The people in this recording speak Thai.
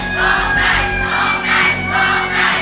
โร๊คได้โร๊คได้โร๊คได้โร๊คได้